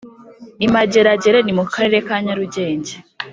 Imageragere ni mukarere ka nyarugenge